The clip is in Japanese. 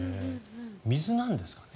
水なんですかね。